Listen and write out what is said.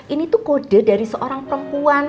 ini tuh kode dari seorang perempuan